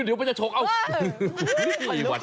เดี๋ยวมันจะชก